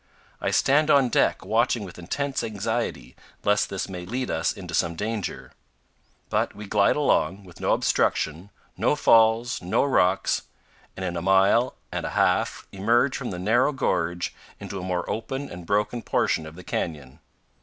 I stand on deck, watching with intense anxiety, lest this may lead us into some danger; but we glide along, with no obstruction, no falls, no rocks, and in a mile and a half emerge from the narrow gorge into a more open and broken portion of the canyon.